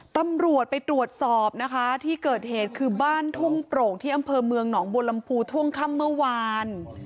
ตำรวจไปตรวจสอบนะคะที่เกิดเหตุคือบ้านทุ่งโปร่งที่อำเภอเมืองหนองบัวลำพูช่วงค่ำเมื่อวาน